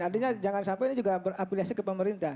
artinya jangan sampai ini juga berafiliasi ke pemerintah